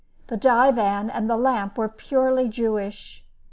The divan and the lamp were purely Jewish.